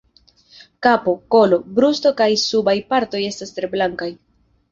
Kapo, kolo, brusto kaj subaj partoj estas tre blankaj.